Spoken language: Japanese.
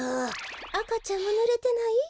あかちゃんはぬれてない？